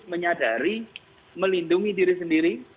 menyadari melindungi diri sendiri